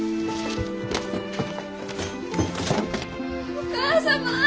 お母様。